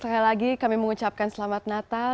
sekali lagi kami mengucapkan selamat natal